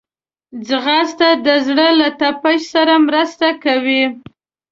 ځغاسته د زړه له تپش سره مرسته کوي